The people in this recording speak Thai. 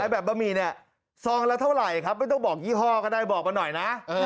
บะหมี่เนี่ยซองละเท่าไหร่ครับไม่ต้องบอกยี่ห้อก็ได้บอกมาหน่อยนะ